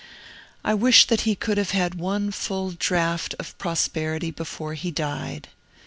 I wish that he could have had one full draught of prosperity before he died.